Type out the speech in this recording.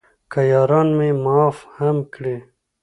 که یاران مې معاف هم کړي.